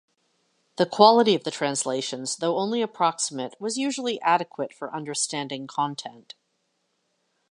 The quality of the translations, although only approximate, was usually adequate for understanding content.